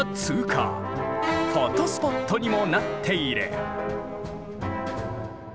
フォトスポットにもなっている。